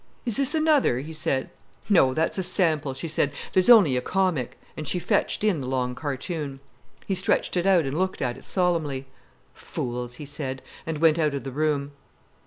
"Is this another?" he said. "No, that's a sample," she said. "There's only a comic." And she fetched in the long cartoon. He stretched it out and looked at it solemnly. "Fools!" he said, and went out of the room.